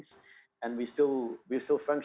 dan kita masih berfungsi